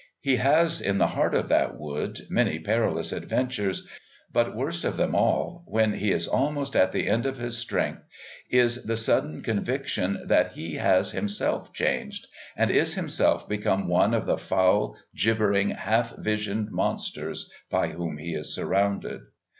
He has in the heart of that wood many perilous adventures, but worst of them all, when he is almost at the end of his strength, is the sudden conviction that he has himself changed, and is himself become one of the foul, gibbering, half visioned monsters by whom he is surrounded.